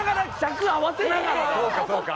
そうかそうか。